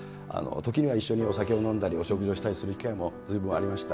時には一緒にお酒を飲んだり、お食事をしたり機会もずいぶんありました。